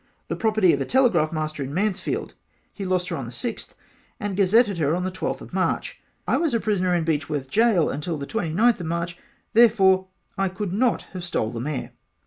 the property of a Telegraph Master in Mansfield he lost her on the 6th gazetted her on the 12th of March and I was a prisoner in Beechworth Gaol until the 29 of March therefore I could not have Stole the mare.